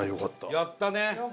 やったね！